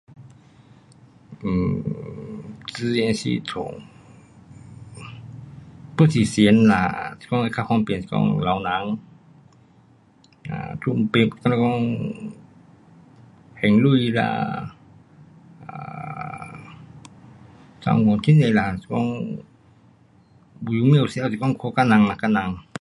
嗯，资源系统，pun 是一样啦，是讲较方便，是讲老人，啊，这阵变好像讲还钱啦，dan 有很多啦，有时还是讲看个人啦，个人。